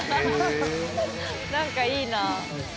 何かいいなあ。